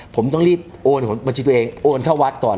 ผมต้องรีบโอนบัญชีตัวเองโอนเข้าวัดก่อน